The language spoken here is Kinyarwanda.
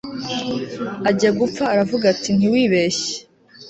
ajya gupfa aravuga ati ntiwibeshye